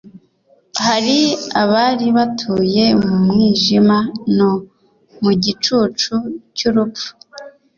hari abari batuye mu mwijima no mu gicucu cy'urupfu